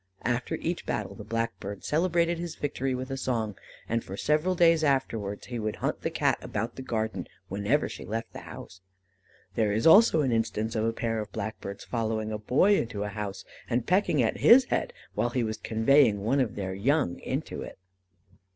After each battle, the blackbird celebrated his victory with a song, and for several days afterwards he would hunt the Cat about the garden whenever she left the house. There is also an instance of a pair of blackbirds following a boy into a house, and pecking at his head, while he was conveying one of their young into it.